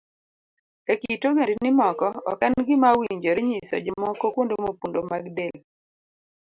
E kit ogendini moko, ok en gima owinjore nyiso jomoko kuonde mopondo mag del.